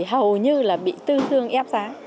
hầu như là bị tư thương ép giá